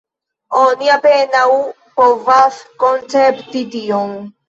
Oni apenaŭ povas koncepti tion.